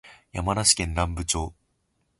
山梨県南部町